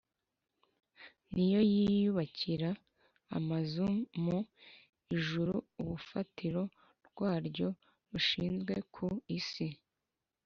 Ni yo yiyubakira amazu mu ijuru urufatiro rwaryo rushinzwe ku isi